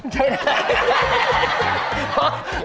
ใช้ได้